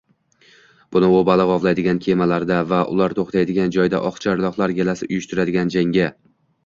Buni u baliq ovlaydigan kemalarda va ular to‘xtaydigan joyda oqcharloqlar galasi uyushtiradigan jangga